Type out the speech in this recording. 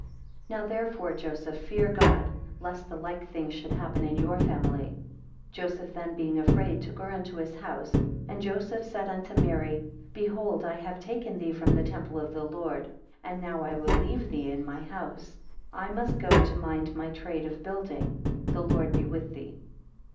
15 Now therefore, Joseph, fear God lest the like things should happen in your family. 16 Joseph then being afraid, took her unto his house, and Joseph said unto Mary, Behold, I have taken thee from the temple of the Lord, and now I will leave thee in my house; I must go to mind my trade of building. The Lord be with thee.